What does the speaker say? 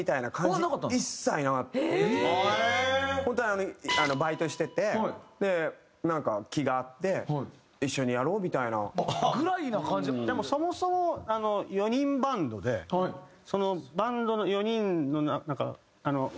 本当バイトしててなんか気が合って一緒にやろうみたいな。ぐらいな感じ？でもそもそも４人バンドでそのバンドの４人の仲。